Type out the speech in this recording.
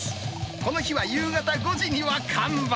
この日は夕方５時には完売。